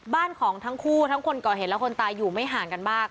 บ้านของทั้งคู่ทั้งคนก่อเหตุและคนตายอยู่ไม่ห่างกันมาก